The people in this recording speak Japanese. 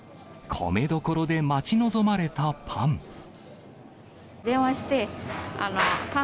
米どころで待ち望まれたパン。